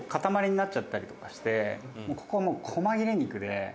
「ここはもうこま切れ肉で」